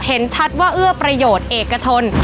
เห็นชัดว่าเอื้อประโยชน์เอกชน